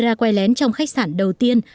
camera quay lén trong khách sạn đầu tiên